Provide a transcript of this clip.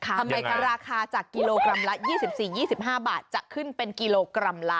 ทำไมคะราคาจากกิโลกรัมละ๒๔๒๕บาทจะขึ้นเป็นกิโลกรัมละ